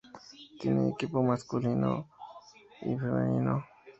Tiene equipo masculino y femenino.